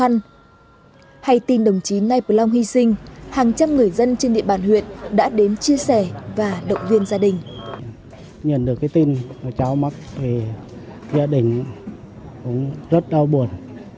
nhìn được cái tin của cháu mắc thì gia đình cũng rất đau buồn